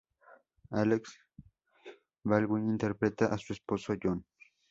Alec Baldwin interpreta a su esposo John.